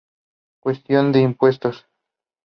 All three were on the production team for "Gunsmoke".